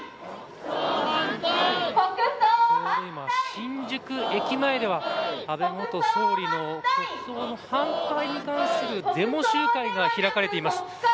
新宿駅前では安倍元総理の国葬の反対に関するデモ集会が開かれています。